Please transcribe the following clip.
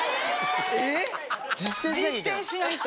実践しないと。